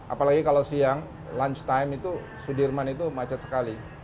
apalagi kalau siang lunch time itu sudirman itu macet sekali